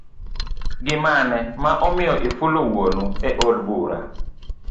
gimane ma omiyo ifulo wuonu e od bura.